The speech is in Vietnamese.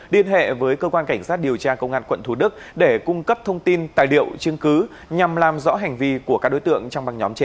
liên hệ với cơ quan cảnh sát điều tra công an quận thủ đức để cung cấp thông tin tài liệu chứng cứ nhằm làm rõ hành vi của các đối tượng trong băng nhóm trên